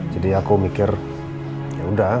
jadi aku mikir yaudah